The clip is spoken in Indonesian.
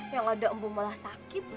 yang ada embung malah sakit